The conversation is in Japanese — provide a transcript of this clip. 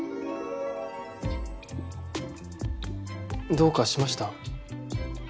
どうかしました？